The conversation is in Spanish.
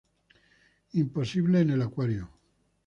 Imposible en el acuario